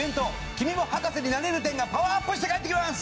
「君も博士になれる展」がパワーアップして帰ってきます！